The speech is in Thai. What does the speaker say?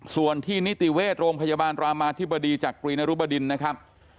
ส่วนที่นิติเวชโรงพยาบาลรามาธิบดีจักรีนรุบดินนะครับ